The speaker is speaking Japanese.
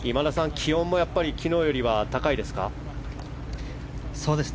気温も昨日よりは高いですか？